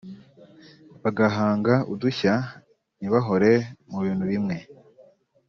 bagahanga udushya ntibahore mu bintu bimwe